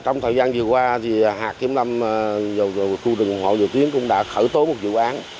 trong thời gian vừa qua hạt kiểm lâm vào khu rừng hồ dầu tiến cũng đã khởi tố một dự án